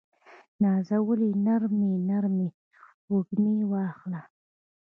نازولې نرمې، نرمې وږمې واخله